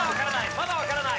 まだわからない。